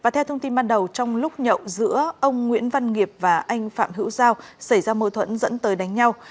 theo thông tin ban đầu trong lúc nhậu giữa ông nguyễn văn nghiệp và anh phạm hữu giao xảy ra mối thuẫn dẫn tới đánh nhau